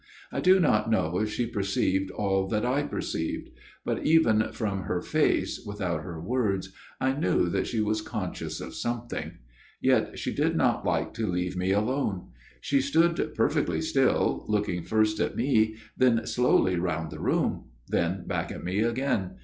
I do not know if she perceived all that I perceived ; but even from her face, without her words, I knew that she was conscious of something. Yet she did not like to leave me alone. She stood per fectly still, looking first at me, then slowly round the room ; then back at me again.